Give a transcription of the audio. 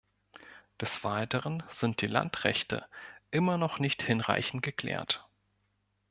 Des Weiteren sind die Landrechte immer noch nicht hinreichend geklärt.